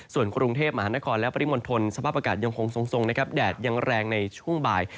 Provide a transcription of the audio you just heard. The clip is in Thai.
ส่วนกรุงเทพมหานครและปริมณฑลสภาพอากาศยังคงทรงนะครับแดดยังแรงในช่วงบ่าย